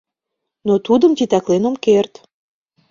— Но Тудым титаклен ом керт.